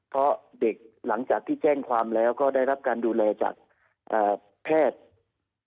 เพราะเด็กหลังจากที่แจ้งความแล้วก็ได้รับการดูแลจากแพทย์